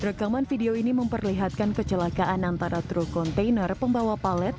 rekaman video ini memperlihatkan kecelakaan antara truk kontainer pembawa palet